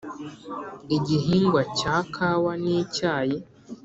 igihingwa cya kawa n'icyayi